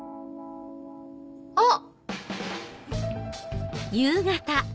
あっ！